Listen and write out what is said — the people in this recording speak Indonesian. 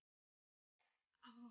mas aku mau ke kamar